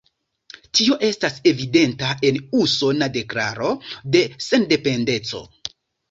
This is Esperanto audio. Tio estas evidenta en "Usona Deklaro de Sendependeco".